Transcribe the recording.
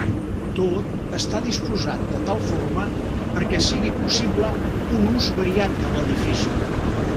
Tot està disposat de tal forma perquè sigui possible un ús variat de l'edifici.